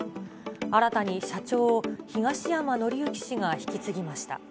新たに社長を東山紀之氏が引き継ぎました。